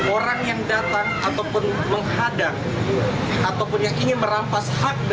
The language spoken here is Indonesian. orang yang datang ataupun menghadang ataupun yang ingin merampas hak daripada bawaslu dki